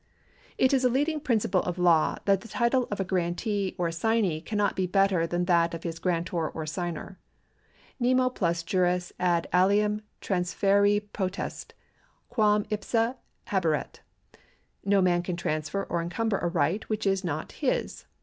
It is a leading principle of law that the title of a grantee or assignee cannot be better than that of his grantor or assignor. Nemo plus juris ad alium transferre potest, quatn ipse haberet} No man can transfer or encumber a right which is not his.